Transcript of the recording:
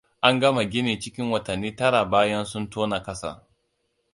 An gama gini cikin watanni tara bayan sun tona kasa.